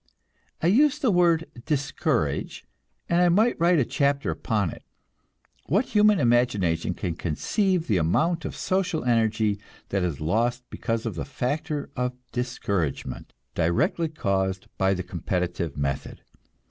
I use this word "discourage," and I might write a chapter upon it. What human imagination can conceive the amount of social energy that is lost because of the factor of discouragement, directly caused by the competitive method?